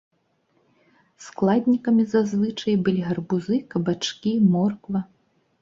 Складнікамі зазвычай былі гарбузы, кабачкі, морква.